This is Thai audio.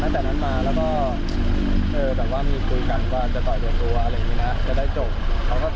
เจอมาต่อดีกับเรากันเหรอ